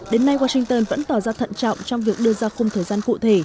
đến nay washington vẫn tỏ ra thận trọng trong việc đưa ra khung thời gian cụ thể